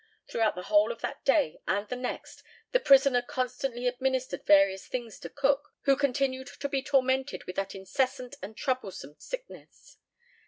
Throughout the whole of that day and the next, the prisoner constantly administered various things to Cook, who continued to be tormented with that incessant and troublesome sickness.